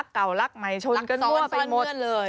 ต่อเข้าหลักในและที่ส่วนลื่น